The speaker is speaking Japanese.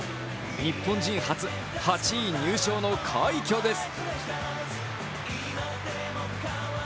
日本人初８位入賞の快挙です。